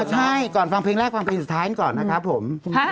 ใช่ก่อนฟังเพลงแรกฟังเพลงสุดท้ายก่อนนะครับผม